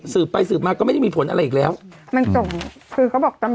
สืบไปสืบมาก็ไม่ได้มีผลอะไรอีกแล้วมันส่งคือเขาบอกตำรวจ